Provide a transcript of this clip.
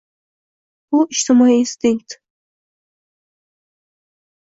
Bu ijtimoiy instinkt